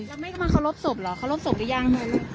แล้วแม่ก็มาเคารพศพเหรอเคารพศพหรือยัง